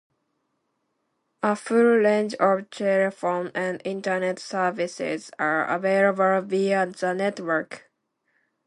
A full range of telephone and Internet services are available via the network.